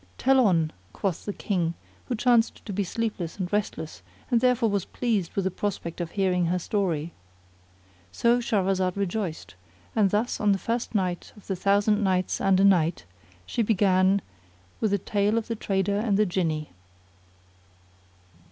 "Tell on," quoth the King who chanced to be sleepless and restless and therefore was pleased with the prospect of hearing her story. So Shahrazad rejoiced; and thus, on the first night of the Thousand Nights and a Night, she began with the TALE OF THE TRADER AND THE JINNI.